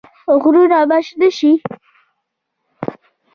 غرونه به شنه شي.